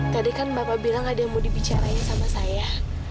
tadi bapak bilang ada yang ingin dibicarakan pada saya